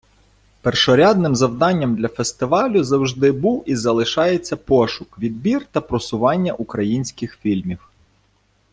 Першорядним завданням для фестивалю зажди був і залишається пошук, відбір та просування українських фільмів.